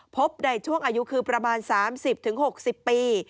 พบในช่วงอายุคือประมาณ๓๐๖๐ปี